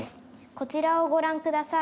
こちらをご覧ください。